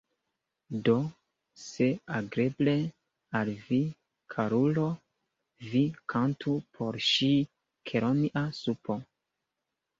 Do, se agrable al vi, karulo, vi kantu por ŝi 'Kelonia Supo’.